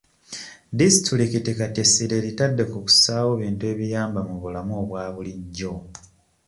Disitulikiti kati essira eritadde ku kussaawo ebintu ebiyamba mu bulamu obwa bulijjo.